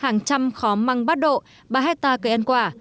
hàng trăm khóm măng bắt độ ba hectare cây ăn quả